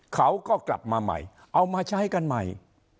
เขาก็กลับมาใหม่เอามาใช้กันใหม่